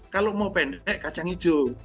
kalau mau pendek kacang hijau